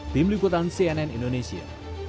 tim liputan cnn indonesia